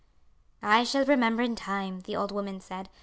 "I shall remember in time," the old woman said.